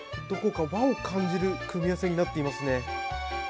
どこか和を感じる組み合わせになっていますね。